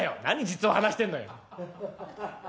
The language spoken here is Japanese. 「何実話話してんのよ」。